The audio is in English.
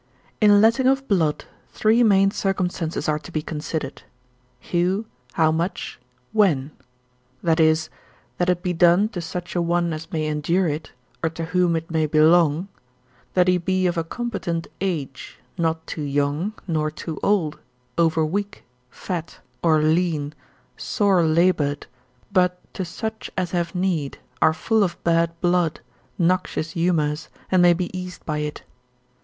In letting of blood three main circumstances are to be considered, Who, how much, when. That is, that it be done to such a one as may endure it, or to whom it may belong, that he be of a competent age, not too young, nor too old, overweak, fat, or lean, sore laboured, but to such as have need, are full of bad blood, noxious humours, and may be eased by it.